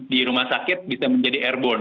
di rumah sakit bisa menjadi airborne